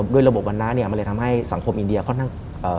ด้วยระบบวันน้ามันเลยทำให้สังคมอินเดียค่อนข้าง